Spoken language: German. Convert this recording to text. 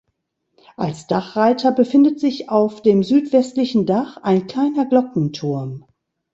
Als Dachreiter befindet sich auf dem südwestlichen Dach ein kleiner Glockenturm.